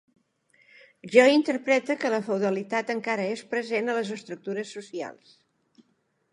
Jo interprete que la feudalitat encara és present a les estructures socials.